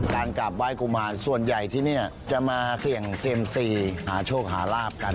การกลับไห้กุมารส่วนใหญ่ที่นี่จะมาเสี่ยงเซียมซีหาโชคหาลาบกัน